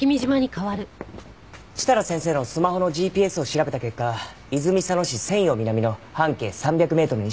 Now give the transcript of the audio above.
設楽先生のスマホのＧＰＳを調べた結果泉佐野市泉陽南の半径３００メートルに絞れました。